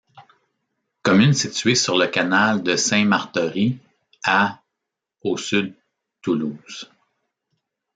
Commune située sur le Canal de Saint-Martory à au sud Toulouse.